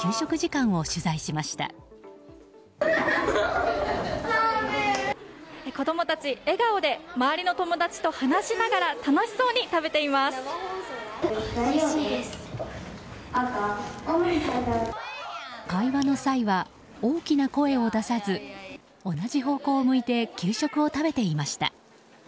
会話の際は、大きな声を出さず同じ方向を向いて給食を食べていました。